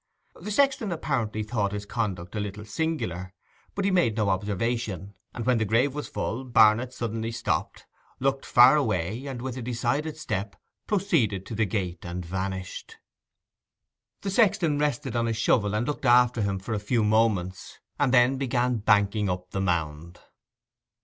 The sexton apparently thought his conduct a little singular, but he made no observation, and when the grave was full, Barnet suddenly stopped, looked far away, and with a decided step proceeded to the gate and vanished. The sexton rested on his shovel and looked after him for a few moments, and then began banking up the mound.